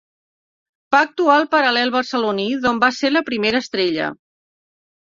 Va actuar al Paral·lel barceloní d'on va ser primera estrella.